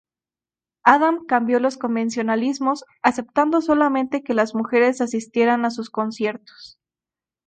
Adam cambió los convencionalismos aceptando solamente que las mujeres asistieran a sus conciertos.